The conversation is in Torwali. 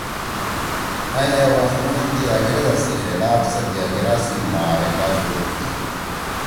اَئں اے وَخ می تی أنگریزا سی خلاف ستیاگرا سی معرکہ شروع کی